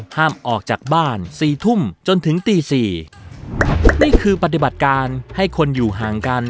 ห้ามออกจากบ้านสี่ทุ่มจนถึงตีสี่นี่คือปฏิบัติการให้คนอยู่ห่างกัน